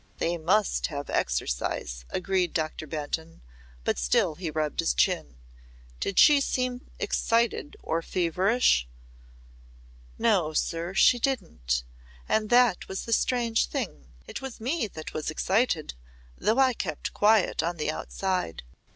"They must have exercise," agreed Doctor Benton, but he still rubbed his chin. "Did she seem excited or feverish?" "No, sir, she didn't. That was the strange thing. It was me that was excited though I kept quiet on the outside.